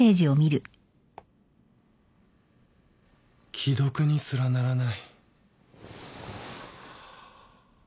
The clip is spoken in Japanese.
既読にすらならない。